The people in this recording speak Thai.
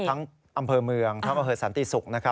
ทั้งอำเภอเมืองทั้งอเมืองสันติสุกนะคะ